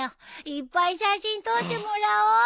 いっぱい写真撮ってもらおー！